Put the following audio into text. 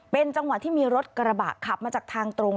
เป็นจังหวะที่มีรถกระบะขับมาจากทางตรง